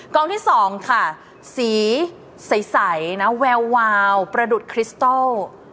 ที่๒ค่ะสีใสนะแวววาวประดุษคริสตอล